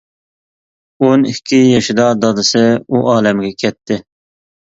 ئون ئىككى يېشىدا دادىسى ئۇ ئالەمگە كەتتى.